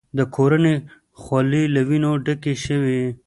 د کورنۍ خولې له وینو ډکې شوې.